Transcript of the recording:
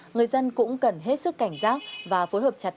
người dân cũng cần hết sức cảnh giác và phối hợp chặt chẽ